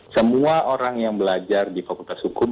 semua orang yang belajar di fakultas hukum